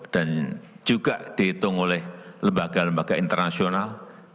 dan juga dihitung oleh lembaga lembaga internasional